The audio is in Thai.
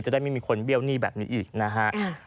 ไม่มีคนเบี้ยวหนี้แบบนี้อีกนะฮะ